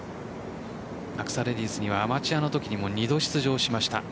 アクサレディスにはアマチュアのときに２度出場しました。